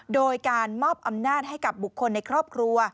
โดยการมอบอำนาจให้กับบุคคลในครอบครัว